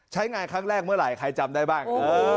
ใช้งานครั้งแรกเมื่อไหร่ใครจำได้บ้าง